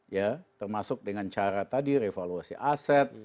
ya termasuk dengan cara tadi revaluasi aset